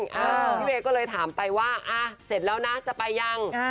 พี่เวย์ก็เลยถามไปว่าเสร็จแล้วนะจะไปยัง